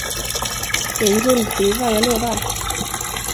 Det är en guldgruva, jag lovar!